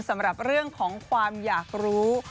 สำหรับเรื่องของความอยากรู้